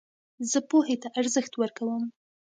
زه پوهي ته ارزښت ورکوم.